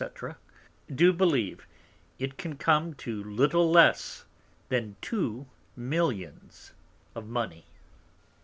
_ do believe it can come to little less than two Millions of Money.